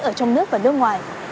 ở trong nước và nước ngoài